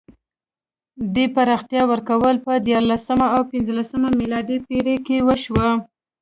دې پراختیا ورکول په دیارلسمه او پنځلسمه میلادي پېړۍ کې وشوه.